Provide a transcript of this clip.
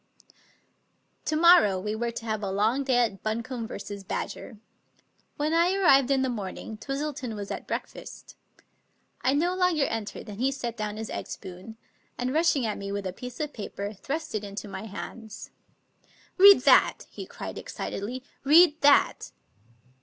To morrow we were to have a long day at Buncombe 296 Mr. Twistleton's Typewriter V. Badger. When I arrived in the morning, Twistleton was at breakfast. I no sooner entered than he set down his tgg spoon, and, rushing at me with a piece of paper, thrust it into my hands. "Read that," he cried excitedly— " read that!"